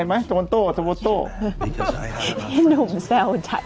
พี่หนุ่มแซวใจ